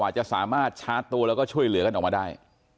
จะสามารถชาร์จตัวแล้วก็ช่วยเหลือกันออกมาได้